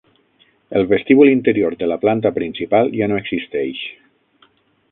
El vestíbul interior de la planta principal ja no existeix.